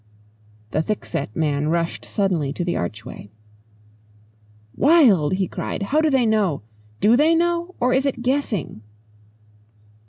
The thickset man rushed suddenly to the archway. "Wild!" he cried. "How do they know? Do they know? Or is it guessing?"